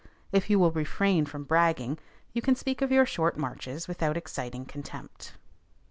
If you will refrain from bragging, you can speak of your short marches without exciting contempt.